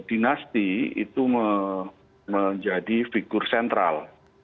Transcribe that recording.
dinasti itu menjadi figur sentral